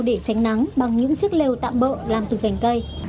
để tránh nắng bằng những chiếc lều tạm bợ làm từ cành cây